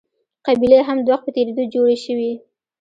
قبیلې هم د وخت په تېرېدو جوړې شوې.